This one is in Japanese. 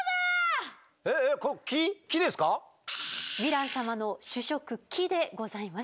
ヴィラン様の主食木でございます。